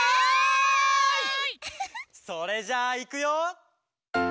「それじゃあいくよ」